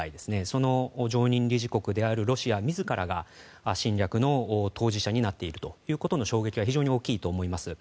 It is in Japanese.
その常任理事国であるロシア自らが侵略の当事者になっているということの衝撃は非常に大きいと思います。